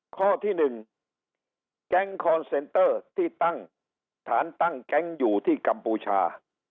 ข้อที่๑แก๊งคอนเซนเตอร์ที่ตั้งฐานตั้งแก๊งอยู่ที่กัมพูชา